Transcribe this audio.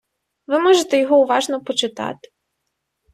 Ви можете його уважно почитати.